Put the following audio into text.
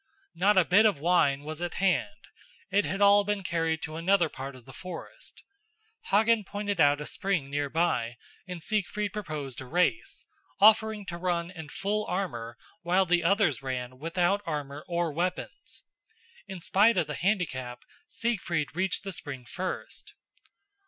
Not a bit of wine was at hand; it had all been carried to another part of the forest. Hagen pointed out a spring near by and Siegfried proposed a race, offering to run in full armor while the others ran without armor or weapons. In spite of the handicap, Siegfried reached the spring first.